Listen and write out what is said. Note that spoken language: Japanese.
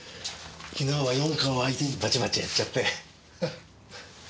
昨日は四課を相手にバチバチやっちゃって。